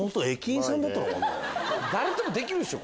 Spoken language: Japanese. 誰でもできるでしょ！